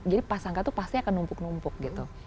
jadi prasangka itu pasti akan numpuk numpuk gitu